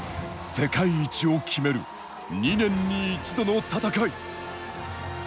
世界一を決める２年に一度の戦い